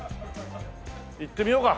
行ってみようか。